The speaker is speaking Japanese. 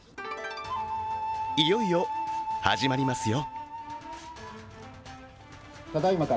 いよいよ始まりますよ。